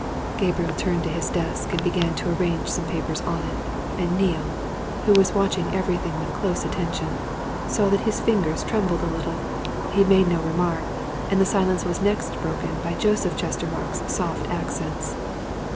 Gabriel turned to his desk and began to arrange some papers on it, and Neale, who was watching everything with close attention, saw that his fingers trembled a little. He made no remark, and the silence was next broken by Joseph Chestermarke's soft accents.